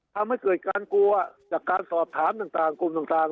ทำให้เกิดการกลัวจากการสอบถามต่างกลุ่มต่าง